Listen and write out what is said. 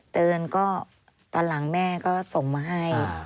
เตือนก็ตอนหลังแม่ก็ส่งมาให้